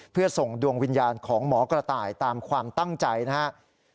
เพื่อส่งดวงวิญญาณของหมอกระต่ายตามความตั้งใจนะครับ